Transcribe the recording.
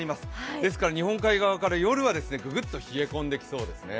ですから日本海側から夜はぐぐっと冷え込んできそうですね。